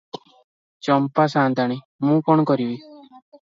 ଚମ୍ପା ସାଆନ୍ତାଣୀ, ମୁଁ କଣ କରିବି ।